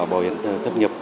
bảo hiểm thất nghiệp